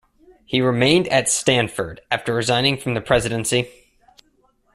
He remained at Stanford after resigning from the presidency.